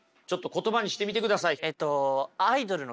言葉にしてみてください。